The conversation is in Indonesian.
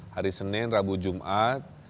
hari senin rabu jumat